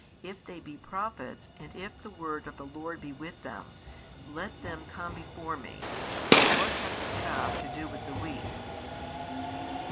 If they be prophets, and if the word of the Lord be with them, let them come before Me. What hath the chaff to do with the wheat?